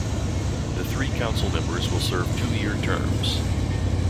The three Council Members will serve two-year terms.